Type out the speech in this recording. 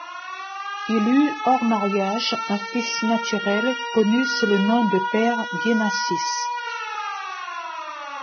Il eut, hors mariage, un fils naturel connu sous le nom de père Bienassis.